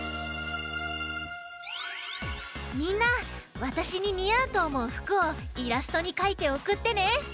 みんなわたしににあうとおもうふくをイラストにかいておくってね！